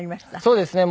そうですね。